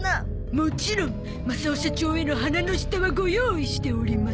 もちろんマサオ社長への鼻の下はご用意しております。